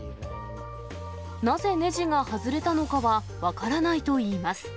なぜねじが外れたのかは分からないといいます。